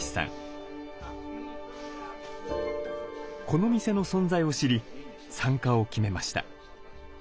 この店の存在を知り参加を決めました。